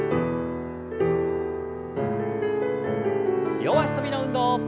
両脚跳びの運動。